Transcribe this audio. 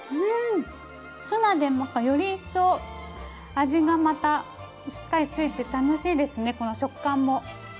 ツナでより一層味がまたしっかり付いて楽しいですね食感も。